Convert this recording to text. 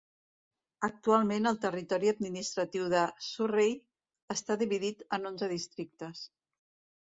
Actualment el territori administratiu de Surrey està dividit en onze districtes.